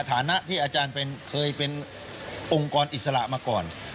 ฐานะที่อาจารย์เคยเป็นองค์กรอิสระมาก่อน